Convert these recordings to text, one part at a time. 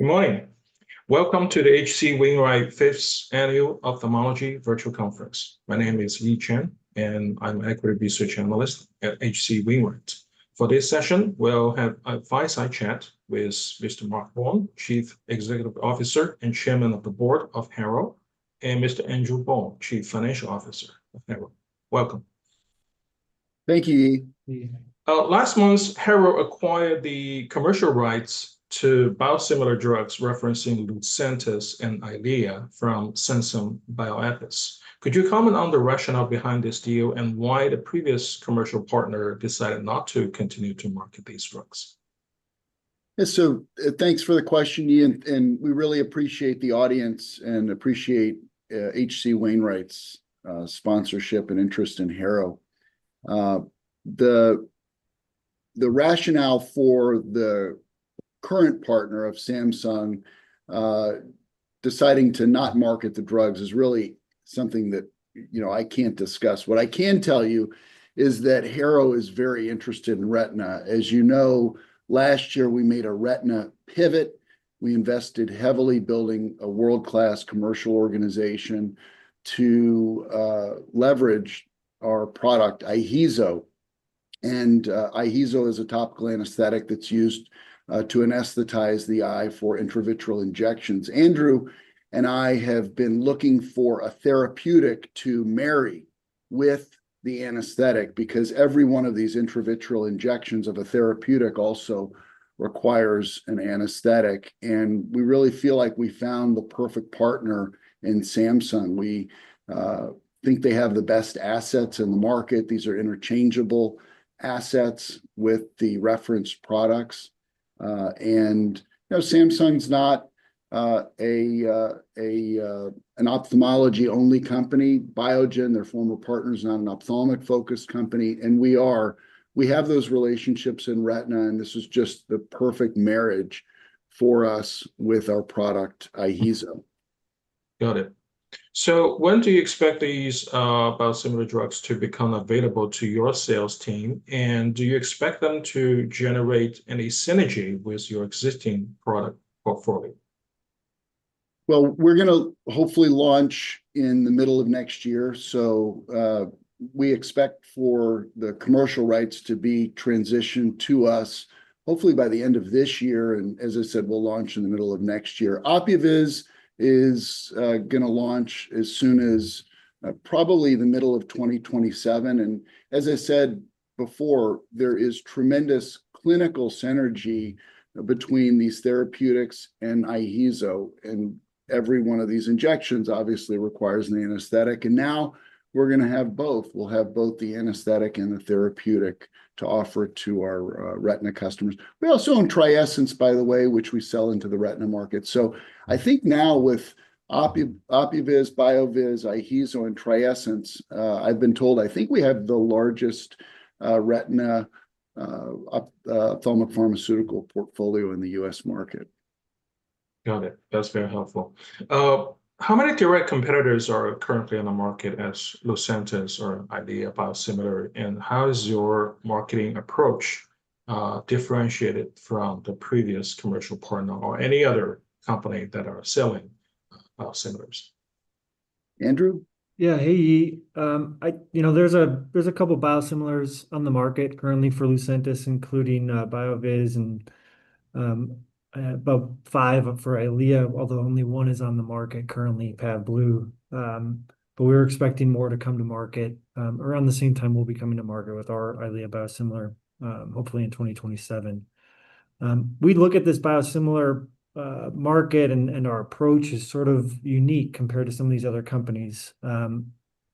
Good morning. Welcome to the H.C. Wainwright Fifth Annual Ophthalmology Virtual Conference. My name is Li Chen, and I'm an Equity Research Analyst at H.C. Wainwright. For this session, we'll have a fireside chat with Mr. Mark Baum, Chief Executive Officer and Chairman of the Board of Harrow, and Mr. Andrew Boll, Chief Financial Officer of Harrow. Welcome. Thank you, Li. Last month, Harrow acquired the commercial rights to biosimilar drugs referencing Lucentis and Eylea from Samsung Bioepis. Could you comment on the rationale behind this deal and why the previous commercial partner decided not to continue to market these drugs? Yeah, so thanks for the question, Li, and we really appreciate the audience and appreciate H.C. Wainwright's sponsorship and interest in Harrow. The rationale for the current partner of Samsung deciding to not market the drugs is really something that, you know, I can't discuss. What I can tell you is that Harrow is very interested in retina. As you know, last year we made a retina pivot. We invested heavily building a world-class commercial organization to leverage our product, IHEEZO. IHEEZO is a topical anesthetic that's used to anesthetize the eye for intravitreal injections. Andrew and I have been looking for a therapeutic to marry with the anesthetic because every one of these intravitreal injections of a therapeutic also requires an anesthetic. We really feel like we found the perfect partner in Samsung. We think they have the best assets in the market. These are interchangeable assets with the reference products. Samsung's not an ophthalmology-only company. Biogen, their former partner, is not an ophthalmic-focused company. We are. We have those relationships in retina, and this is just the perfect marriage for us with our product, IHEEZO. Got it. When do you expect these biosimilar drugs to become available to your sales team, and do you expect them to generate any synergy with your existing product portfolio? We're going to hopefully launch in the middle of next year. We expect for the commercial rights to be transitioned to us hopefully by the end of this year. As I said, we'll launch in the middle of next year. OPUVIZ is going to launch as soon as probably the middle of 2027. As I said before, there is tremendous clinical synergy between these therapeutics and IHEEZO. Every one of these injections obviously requires an anesthetic. Now we're going to have both. We'll have both the anesthetic and the therapeutic to offer to our retina customers. We also own TRIESENCE, by the way, which we sell into the retina market. I think now with OPUVIZ, BYOOVIZ, IHEEZO, and TRIESENCE, I've been told I think we have the largest retina ophthalmic pharmaceutical portfolio in the U.S. market. Got it. That's very helpful. How many direct competitors are currently in the market as Lucentis or Eylea biosimilar, and how is your marketing approach differentiated from the previous commercial partner or any other company that are selling biosimilars? Andrew? Yeah, hey, Li. You know, there's a couple of biosimilars on the market currently for Lucentis, including BYOOVIZ, and about five for Eylea, although only one is on the market currently, PAVBLU. We're expecting more to come to market around the same time we'll be coming to market with our Eylea biosimilar, hopefully in 2027. We look at this biosimilar market and our approach is sort of unique compared to some of these other companies.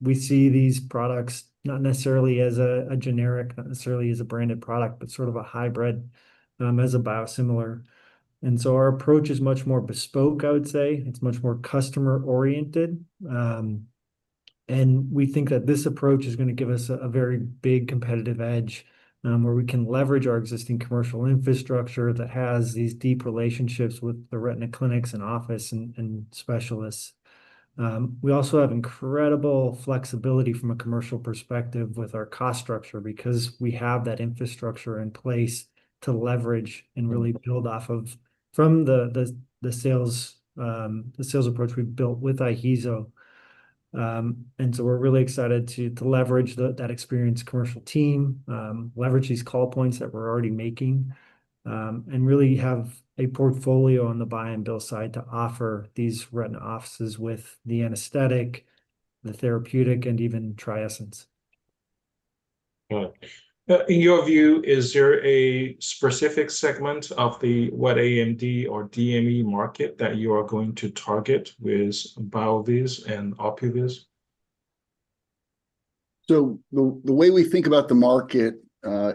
We see these products not necessarily as a generic, not necessarily as a branded product, but sort of a hybrid as a biosimilar. Our approach is much more bespoke, I would say. It's much more customer-oriented. We think that this approach is going to give us a very big competitive edge where we can leverage our existing commercial infrastructure that has these deep relationships with the retina clinics and office and specialists. We also have incredible flexibility from a commercial perspective with our cost structure because we have that infrastructure in place to leverage and really build off of from the sales approach we've built with IHEEZO. We're really excited to leverage that experienced commercial team, leverage these call points that we're already making, and really have a portfolio on the buy and bill side to offer these retina offices with the anesthetic, the therapeutic, and even TRIESENCE. Got it. In your view, is there a specific segment of the Wet AMD or DME market that you are going to target with BYOOVIZ and OPUVIZ? The way we think about the market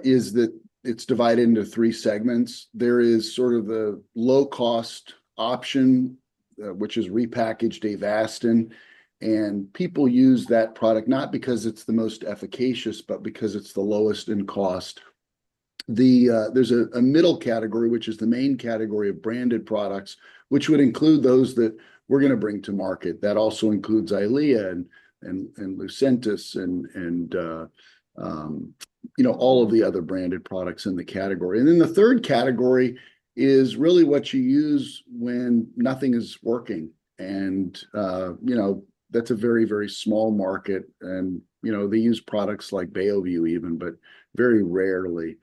is that it's divided into three segments. There is sort of the low-cost option, which is repackaged Avastin, and people use that product not because it's the most efficacious, but because it's the lowest in cost. There's a middle category, which is the main category of branded products, which would include those that we're going to bring to market. That also includes Eylea and Lucentis and all of the other branded products in the category. The third category is really what you use when nothing is working. That's a very, very small market. They use products like BioView even, but very rarely.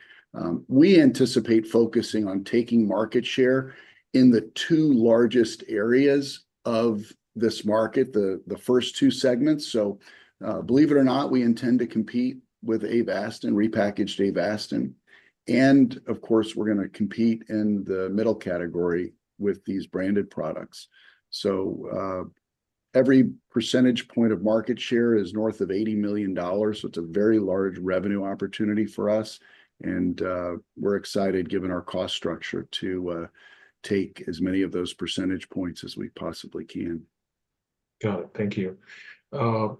We anticipate focusing on taking market share in the two largest areas of this market, the first two segments. Believe it or not, we intend to compete with Avastin, repackaged Avastin. Of course, we're going to compete in the middle category with these branded products. Every percentage point of market share is north of $80 million. It's a very large revenue opportunity for us. We're excited, given our cost structure, to take as many of those percentage points as we possibly can. Got it. Thank you. Can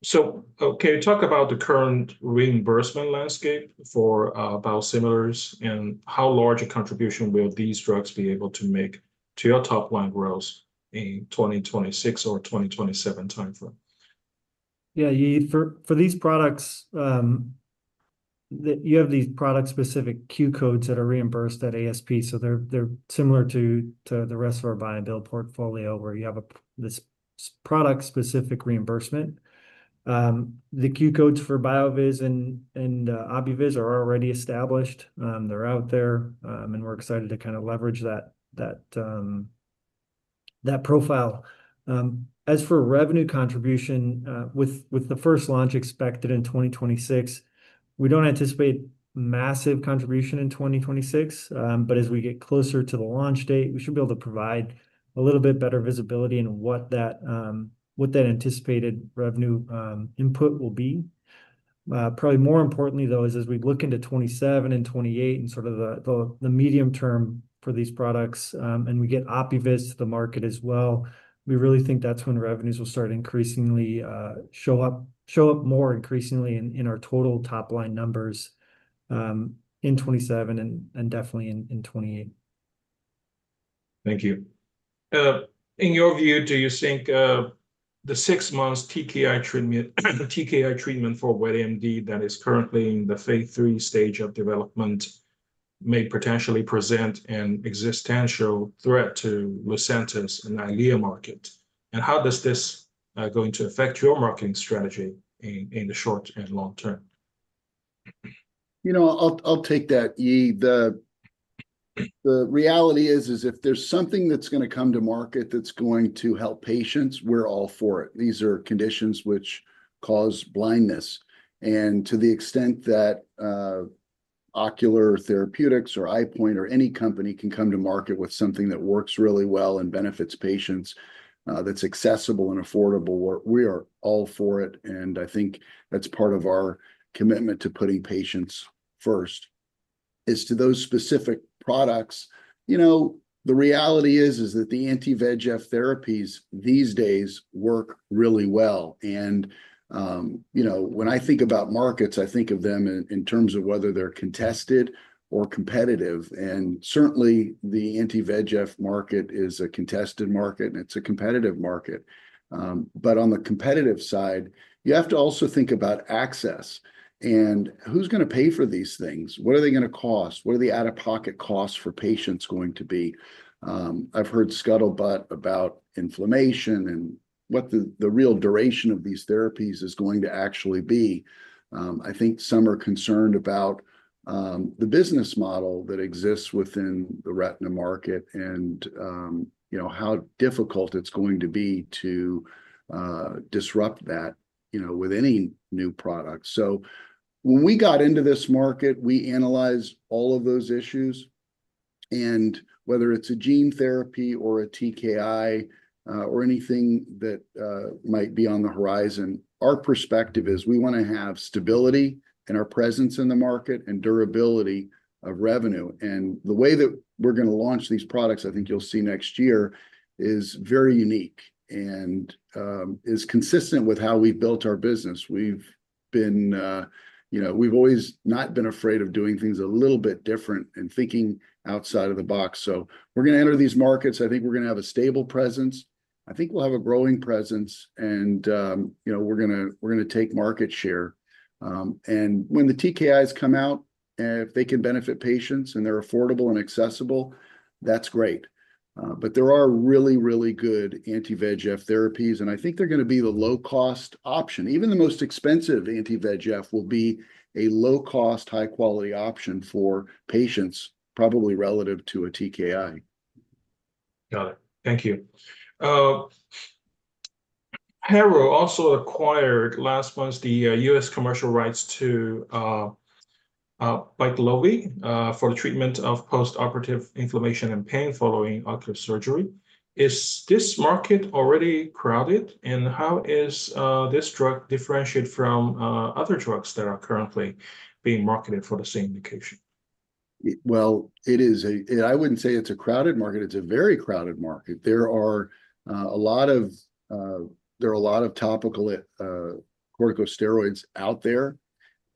you talk about the current reimbursement landscape for biosimilars and how large a contribution will these drugs be able to make to your top line growth in the 2026 or 2027 timeframe? Yeah, for these products, you have these product-specific Q codes that are reimbursed at ASP. They're similar to the rest of our buy and bill portfolio where you have this product-specific reimbursement. The Q codes for BYOOVIZ and OPUVIZ are already established. They're out there, and we're excited to kind of leverage that profile. As for revenue contribution, with the first launch expected in 2026, we don't anticipate massive contribution in 2026. As we get closer to the launch date, we should be able to provide a little bit better visibility in what that anticipated revenue input will be. Probably more importantly, though, is as we look into 2027 and 2028 and sort of the medium term for these products, and we get OPUVIZ to the market as well, we really think that's when revenues will start increasingly show up, show up more increasingly in our total top line numbers in 2027 and definitely in 2028. Thank you. In your view, do you think the six months TKI treatment for Wet AMD that is currently in the phase three stage of development may potentially present an existential threat to Lucentis and Eylea market? How does this going to affect your marketing strategy in the short and long term? You know, I'll take that, Li. The reality is, if there's something that's going to come to market that's going to help patients, we're all for it. These are conditions which cause blindness. To the extent that ocular therapeutics or EyePoint or any company can come to market with something that works really well and benefits patients, that's accessible and affordable, we are all for it. I think that's part of our commitment to putting patients first. As to those specific products, the reality is that the anti-VEGF therapies these days work really well. When I think about markets, I think of them in terms of whether they're contested or competitive. Certainly, the anti-VEGF market is a contested market, and it's a competitive market. On the competitive side, you have to also think about access. Who's going to pay for these things? What are they going to cost? What are the out-of-pocket costs for patients going to be? I've heard scuttlebutt about inflammation and what the real duration of these therapies is going to actually be. I think some are concerned about the business model that exists within the retina market and how difficult it's going to be to disrupt that with any new product. When we got into this market, we analyzed all of those issues. Whether it's a gene therapy or a TKI or anything that might be on the horizon, our perspective is we want to have stability in our presence in the market and durability of revenue. The way that we're going to launch these products, I think you'll see next year, is very unique and is consistent with how we've built our business. We've always not been afraid of doing things a little bit different and thinking outside of the box. We're going to enter these markets. I think we're going to have a stable presence. I think we'll have a growing presence. We're going to take market share. When the TKIs come out, if they can benefit patients and they're affordable and accessible, that's great. There are really, really good anti-VEGF therapies, and I think they're going to be the low-cost option. Even the most expensive anti-VEGF will be a low-cost, high-quality option for patients, probably relative to a TKI. Got it. Thank you. Harrow also acquired last month the U.S. commercial rights to BYQLOVI for the treatment of postoperative inflammation and pain following ocular surgery. Is this market already crowded? How is this drug differentiated from other drugs that are currently being marketed for the same indication? It is a, I wouldn't say it's a crowded market. It's a very crowded market. There are a lot of, there are a lot of topical corticosteroids out there.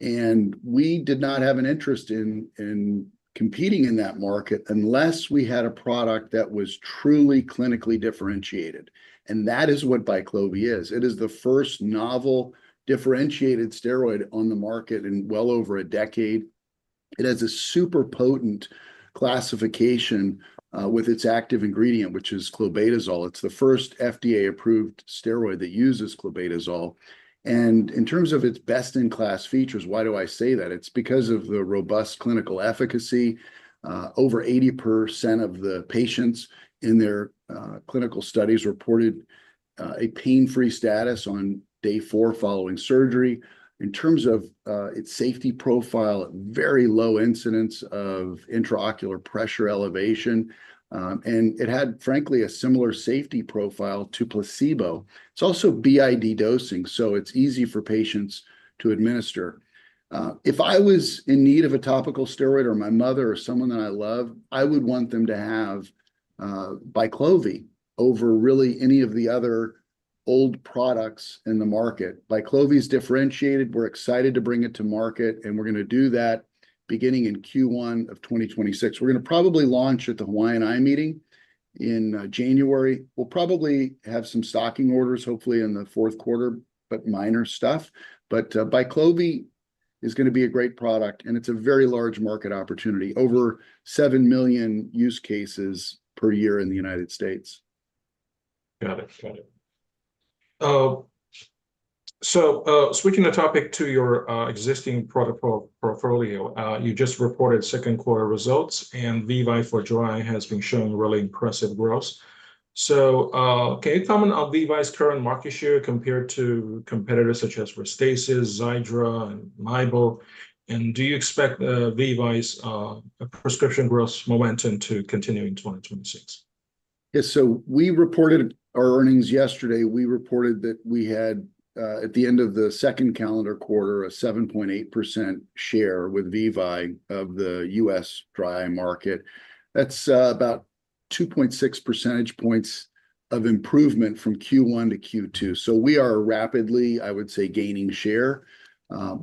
We did not have an interest in competing in that market unless we had a product that was truly clinically differentiated. That is what BYQLOVI is. It is the first novel differentiated steroid on the market in well over a decade. It has a super potent classification with its active ingredient, which is clobetasol. It's the first FDA-approved steroid that uses clobetasol. In terms of its best-in-class features, why do I say that? It's because of the robust clinical efficacy. Over 80% of the patients in their clinical studies reported a pain-free status on day four following surgery. In terms of its safety profile, very low incidence of intraocular pressure elevation. It had, frankly, a similar safety profile to placebo. It's also BID dosing, so it's easy for patients to administer. If I was in need of a topical steroid or my mother or someone that I love, I would want them to have BYQLOVI over really any of the other old products in the market. BYQLOVI is differentiated. We're excited to bring it to market, and we're going to do that beginning in Q1 of 2026. We're going to probably launch at the Hawaiian Eye Meeting in January. We'll probably have some stocking orders, hopefully in the fourth quarter, but minor stuff. BYQLOVI is going to be a great product, and it's a very large market opportunity, over 7 million use cases per year in the U.S. Got it. Switching the topic to your existing product portfolio, you just reported second-quarter results, and VEVYE for July has been showing really impressive growth. Can you comment on VEVYE's current market share compared to competitors such as Restasis, Xiidra, and Miebo? Do you expect VEVYE's prescription growth momentum to continue in 2026? Yeah, so we reported our earnings yesterday. We reported that we had, at the end of the second calendar quarter, a 7.8% share with VEVYE of the U.S. dry eye market. That's about 2.6 percentage points of improvement from Q1 to Q2. We are rapidly, I would say, gaining share. Our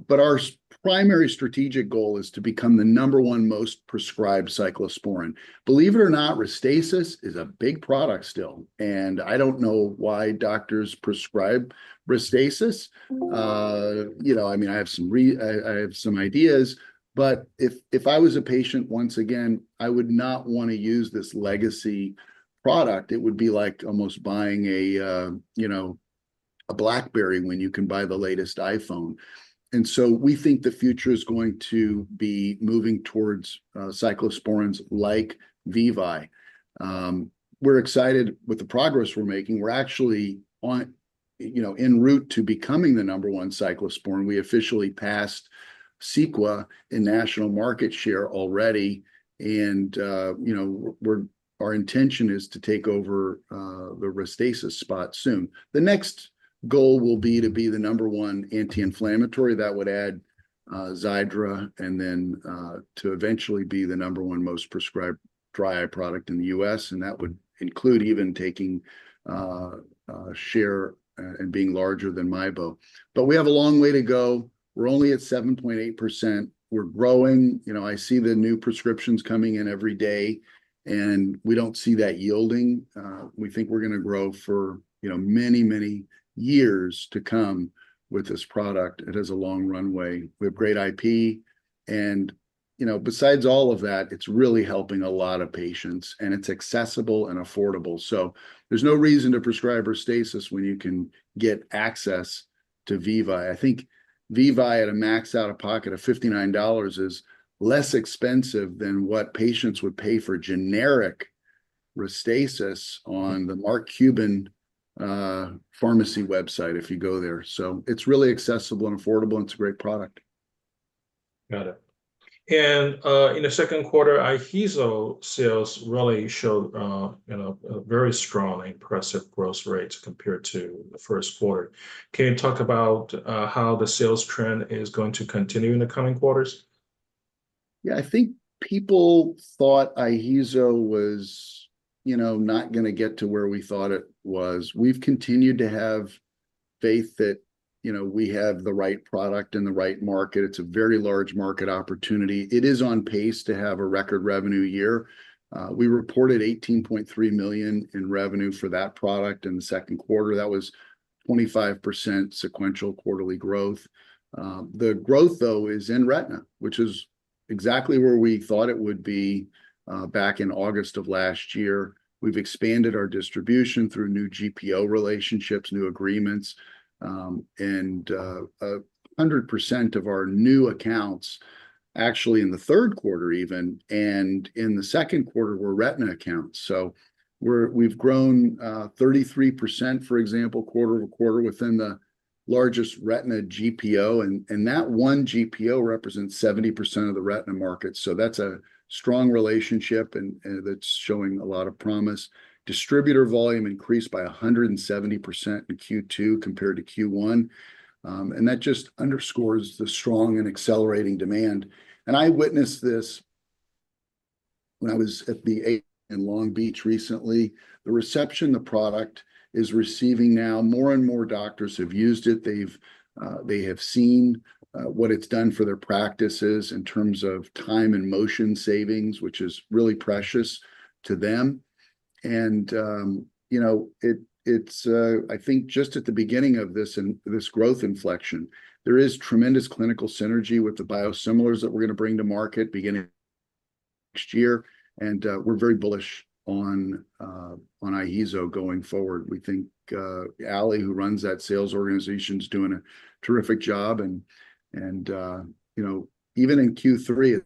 primary strategic goal is to become the number one most prescribed cyclosporine. Believe it or not, Restasis is a big product still. I don't know why doctors prescribe Restasis. I mean, I have some ideas. If I was a patient, once again, I would not want to use this legacy product. It would be like almost buying a BlackBerry when you can buy the latest iPhone. We think the future is going to be moving towards cyclosporines like VEVYE. We're excited with the progress we're making. We're actually en route to becoming the number one cyclosporine. We officially passed CEQUA in national market share already. Our intention is to take over the Restasis spot soon. The next goal will be to be the number one anti-inflammatory. That would add Xiidra and then to eventually be the number one most prescribed dry eye product in the U.S. That would include even taking share and being larger than Miebo. We have a long way to go. We're only at 7.8%. We're growing. I see the new prescriptions coming in every day, and we don't see that yielding. We think we're going to grow for, you know, many, many years to come with this product. It has a long runway. We have great IP. Besides all of that, it's really helping a lot of patients, and it's accessible and affordable. There's no reason to prescribe Restasis when you can get access to VEVYE. I think VEVYE at a max out-of-pocket of $59 is less expensive than what patients would pay for generic Restasis on the Mark Cuban pharmacy website if you go there. It's really accessible and affordable, and it's a great product. Got it. In the second quarter, IHEEZO sales really showed a very strong and impressive growth rate compared to the first quarter. Can you talk about how the sales trend is going to continue in the coming quarters? Yeah, I think people thought IHEEZO was, you know, not going to get to where we thought it was. We've continued to have faith that, you know, we have the right product in the right market. It's a very large market opportunity. It is on pace to have a record revenue year. We reported $18.3 million in revenue for that product in the second quarter. That was 25% sequential quarterly growth. The growth, though, is in retina, which is exactly where we thought it would be back in August of last year. We've expanded our distribution through new GPO relationships, new agreements, and 100% of our new accounts actually in the third quarter even, and in the second quarter were retina accounts. We've grown 33%, for example, quarter-to-quarter within the largest retina GPO. That one GPO represents 70% of the retina market. That's a strong relationship, and that's showing a lot of promise. Distributor volume increased by 170% in Q2 compared to Q1. That just underscores the strong and accelerating demand. I witnessed this when I was at the 8th in Long Beach recently. The reception the product is receiving now, more and more doctors have used it. They have seen what it's done for their practices in terms of time and motion savings, which is really precious to them. I think it's just at the beginning of this growth inflection. There is tremendous clinical synergy with the biosimilars that we're going to bring to market beginning next year. We're very bullish on IHEEZO going forward. We think Ali, who runs that sales organization, is doing a terrific job. Even in Q3,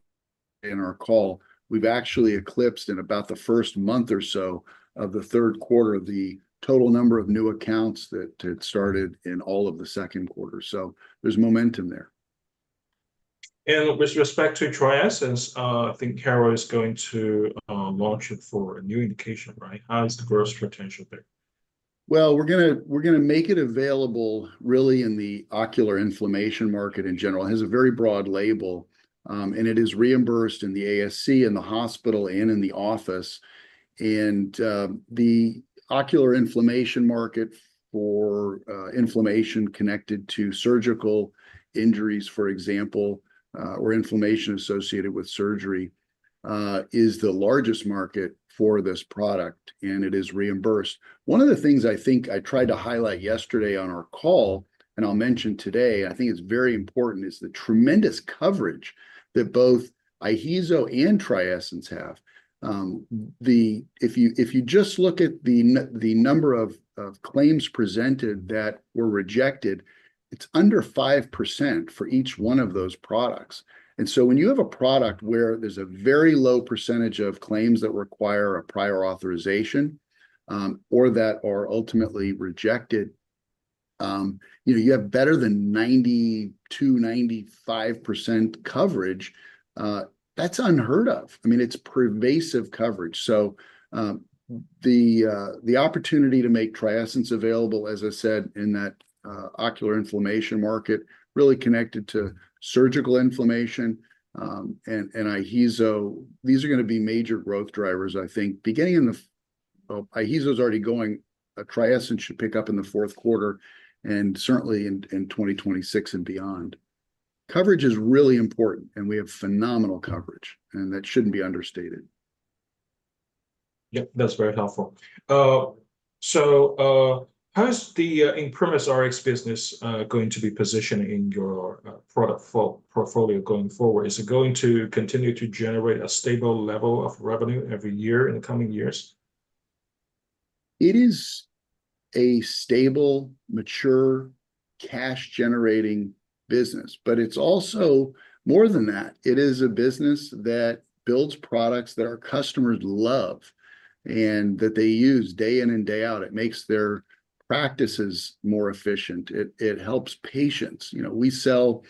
in our call, we've actually eclipsed in about the first month or so of the third quarter the total number of new accounts that had started in all of the second quarter. There's momentum there. With respect to TRIESENCE, I think Harrow is going to launch it for a new indication, right? How is the growth potential there? We're going to make it available really in the ocular inflammation market in general. It has a very broad label, and it is reimbursed in the ASC, in the hospital, and in the office. The ocular inflammation market for inflammation connected to surgical injuries, for example, or inflammation associated with surgery, is the largest market for this product, and it is reimbursed. One of the things I think I tried to highlight yesterday on our call, and I'll mention today, I think it's very important, is the tremendous coverage that both IHEEZO and TRIESENCE have. If you just look at the number of claims presented that were rejected, it's under 5% for each one of those products. When you have a product where there's a very low percentage of claims that require a prior authorization or that are ultimately rejected, you have better than 92%, 95% coverage. That's unheard of. It's pervasive coverage. The opportunity to make TRIESENCE available, as I said, in that ocular inflammation market, really connected to surgical inflammation and IHEEZO, these are going to be major growth drivers, I think, beginning in the, oh, IHEEZO is already going. TRIESENCE should pick up in the fourth quarter and certainly in 2026 and beyond. Coverage is really important, and we have phenomenal coverage, and that shouldn't be understated. Yep, that's very helpful. How is the ImprimisRx business going to be positioned in your product portfolio going forward? Is it going to continue to generate a stable level of revenue every year in the coming years? It is a stable, mature, cash-generating business. It's also more than that. It is a business that builds products that our customers love and that they use day in and day out. It makes their practices more efficient. It helps patients. We sell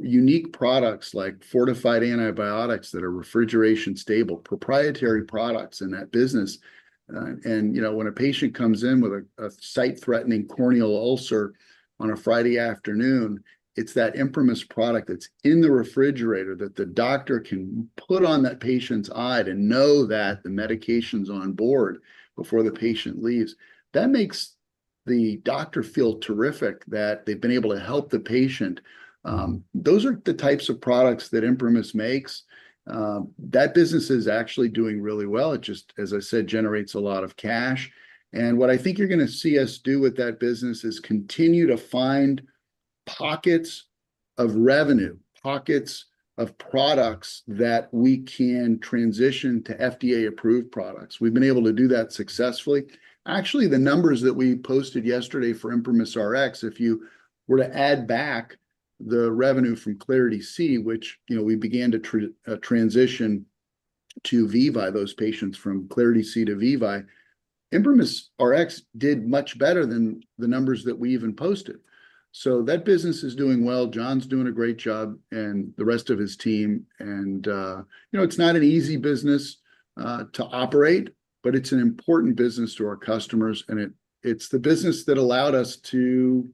unique products like fortified antibiotics that are refrigeration stable, proprietary products in that business. When a patient comes in with a sight-threatening corneal ulcer on a Friday afternoon, it's that ImprimisRx product that's in the refrigerator that the doctor can put on that patient's eye to know that the medication's on board before the patient leaves. That makes the doctor feel terrific that they've been able to help the patient. Those are the types of products that ImprimisRx makes. That business is actually doing really well. It just, as I said, generates a lot of cash. What I think you're going to see us do with that business is continue to find pockets of revenue, pockets of products that we can transition to FDA-approved products. We've been able to do that successfully. Actually, the numbers that we posted yesterday for ImprimisRx, if you were to add back the revenue from Klarity-C, which, you know, we began to transition to VEVYE, those patients from Klarity-C to VEVYE, ImprimisRx did much better than the numbers that we even posted. That business is doing well. John's doing a great job and the rest of his team. It's not an easy business to operate, but it's an important business to our customers. It's the business that allowed us to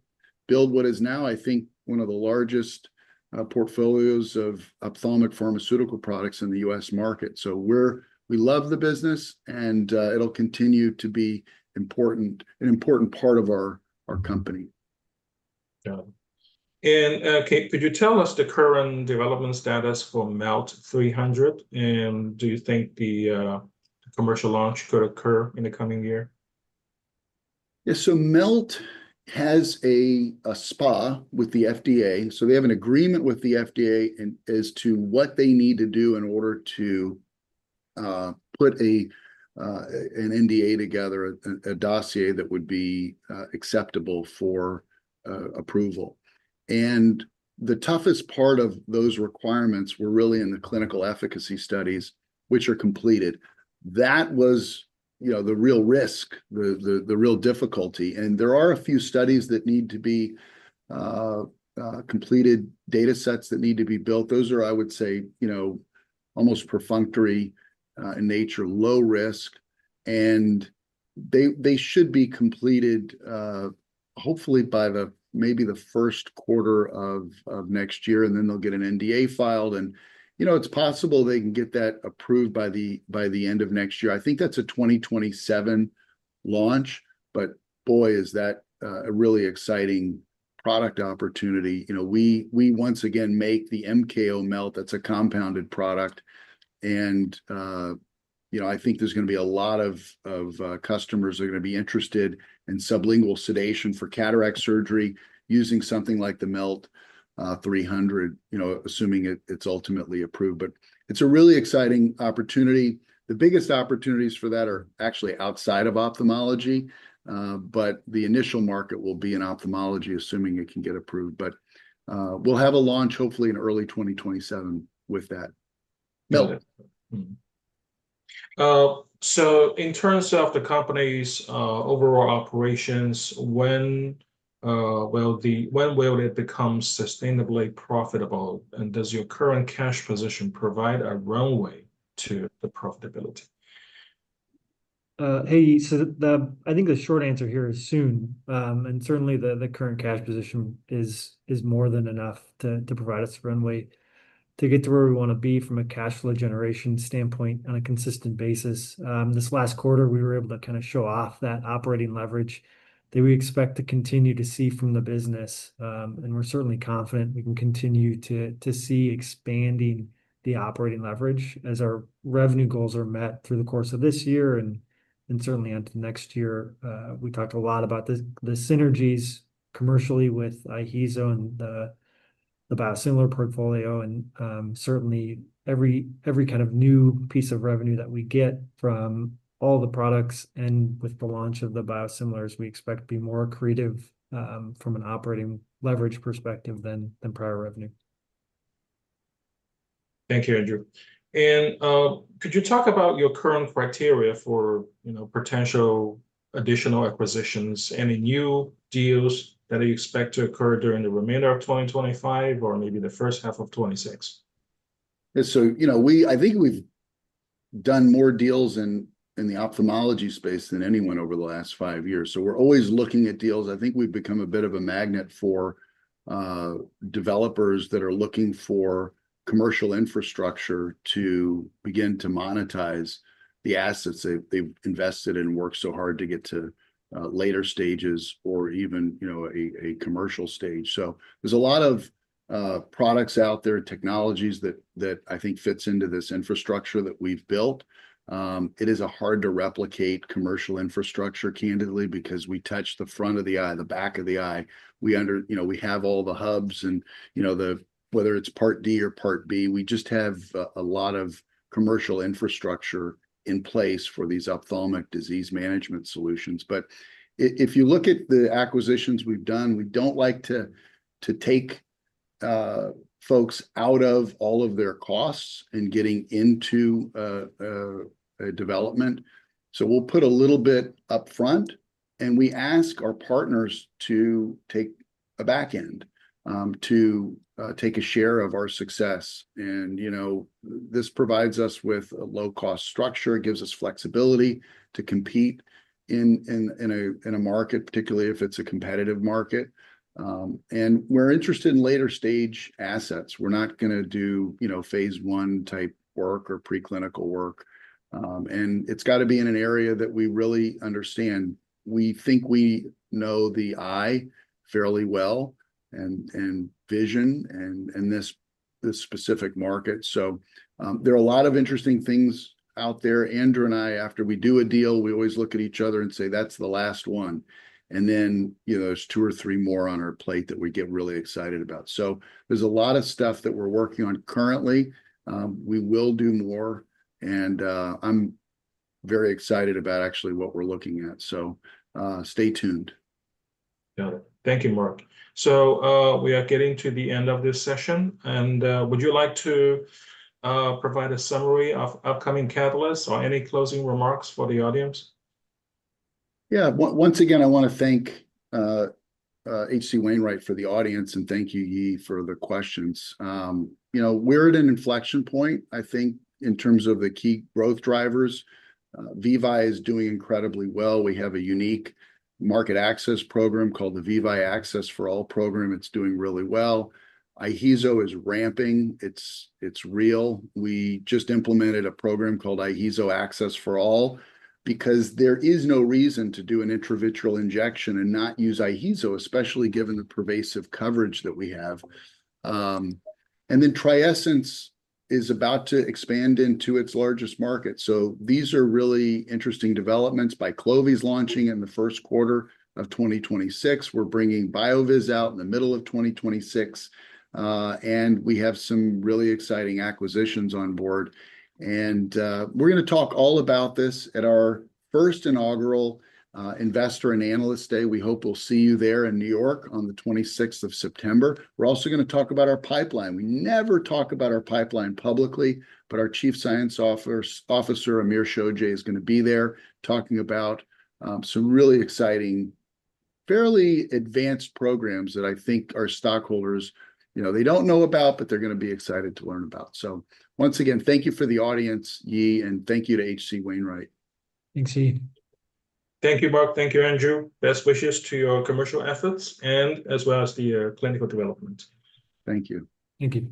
build what is now, I think, one of the largest portfolios of ophthalmic pharmaceutical products in the U.S. market. We love the business, and it'll continue to be an important part of our company. Could you tell us the current development status for MELT-300? Do you think the commercial launch could occur in the coming year? Yeah, so MELT has a SPA with the FDA. They have an agreement with the FDA as to what they need to do in order to put an NDA together, a dossier that would be acceptable for approval. The toughest part of those requirements were really in the clinical efficacy studies, which are completed. That was the real risk, the real difficulty. There are a few studies that need to be completed, data sets that need to be built. Those are, I would say, almost perfunctory in nature, low risk. They should be completed hopefully by maybe the first quarter of next year. They'll get an NDA filed. It's possible they can get that approved by the end of next year. I think that's a 2027 launch. Boy, is that a really exciting product opportunity. We once again make the MKO Melt. That's a compounded product. I think there's going to be a lot of customers that are going to be interested in sublingual sedation for cataract surgery using something like the MELT-300, assuming it's ultimately approved. It's a really exciting opportunity. The biggest opportunities for that are actually outside of ophthalmology. The initial market will be in ophthalmology, assuming it can get approved. We'll have a launch hopefully in early 2027 with that. In terms of the company's overall operations, when will it become sustainably profitable? Does your current cash position provide a runway to the profitability? I think the short answer here is soon. Certainly, the current cash position is more than enough to provide us a runway to get to where we want to be from a cash flow generation standpoint on a consistent basis. This last quarter, we were able to show off that operating leverage that we expect to continue to see from the business. We're certainly confident we can continue to see expanding the operating leverage as our revenue goals are met through the course of this year and certainly into next year. We talked a lot about the synergies commercially with IHEEZO and the biosimilar portfolio. Certainly, every new piece of revenue that we get from all the products and with the launch of the biosimilars, we expect to be more accretive from an operating leverage perspective than prior revenue. Thank you, Andrew. Could you talk about your current criteria for potential additional acquisitions? Any new deals that you expect to occur during the remainder of 2025 or maybe the first half of 2026? Yeah, so I think we've done more deals in the ophthalmology space than anyone over the last five years. We're always looking at deals. I think we've become a bit of a magnet for developers that are looking for commercial infrastructure to begin to monetize the assets they've invested in and worked so hard to get to later stages or even a commercial stage. There are a lot of products out there, technologies that I think fit into this infrastructure that we've built. It is a hard-to-replicate commercial infrastructure, candidly, because we touch the front of the eye, the back of the eye. We have all the hubs and, whether it's part D or part B, we just have a lot of commercial infrastructure in place for these ophthalmic disease management solutions. If you look at the acquisitions we've done, we don't like to take folks out of all of their costs and getting into development. We'll put a little bit up front, and we ask our partners to take a back end to take a share of our success. This provides us with a low-cost structure. It gives us flexibility to compete in a market, particularly if it's a competitive market. We're interested in later-stage assets. We're not going to do phase I type work or preclinical work. It's got to be in an area that we really understand. We think we know the eye fairly well and vision and this specific market. There are a lot of interesting things out there. Andrew and I, after we do a deal, we always look at each other and say, "That's the last one." Then there are two or three more on our plate that we get really excited about. There's a lot of stuff that we're working on currently. We will do more. I'm very excited about actually what we're looking at. Stay tuned. Got it. Thank you, Mark. We are getting to the end of this session. Would you like to provide a summary of upcoming catalysts or any closing remarks for the audience? Yeah, once again, I want to thank H.C. Wainwright for the audience and thank you, Li, for the questions. You know, we're at an inflection point, I think, in terms of the key growth drivers. VEVYE is doing incredibly well. We have a unique market access program called the VEVYE Access for All program. It's doing really well. IHEEZO is ramping. It's real. We just implemented a program called IHEEZO Access for All because there is no reason to do an intravitreal injection and not use IHEEZO, especially given the pervasive coverage that we have. TRIESENCE is about to expand into its largest market. These are really interesting developments. BYQLOVI is launching in the first quarter of 2026. We're bringing BYOOVIZ out in the middle of 2026. We have some really exciting acquisitions on board. We're going to talk all about this at our first inaugural Investor and Analyst Day. We hope we'll see you there in New York on the 26th of September. We're also going to talk about our pipeline. We never talk about our pipeline publicly, but our Chief Science Officer, Amir Shojaei, is going to be there talking about some really exciting, fairly advanced programs that I think our stockholders, you know, they don't know about, but they're going to be excited to learn about. Once again, thank you for the audience, Li, and thank you to H.C. Wainwright. Thanks, Li. Thank you, Mark. Thank you, Andrew. Best wishes to your commercial efforts as well as the clinical development. Thank you. Thank you.